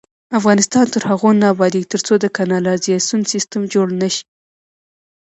افغانستان تر هغو نه ابادیږي، ترڅو د کانالیزاسیون سیستم جوړ نشي.